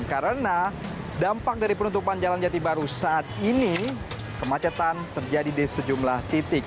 karena dampak dari penutupan jalan jati baru saat ini kemacetan terjadi di sejumlah titik